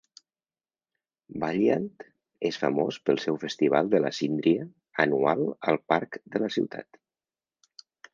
Valliant és famós pel seu Festival de la síndria anual al Parc de la ciutat.